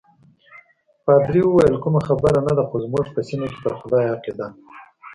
پادري وویل: کومه خبره نه ده، خو زموږ په سیمه کې پر خدای عقیده.